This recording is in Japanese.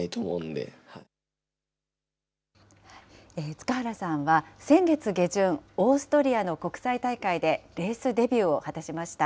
塚原さんは、先月下旬、オーストリアの国際大会で、レースデビューを果たしました。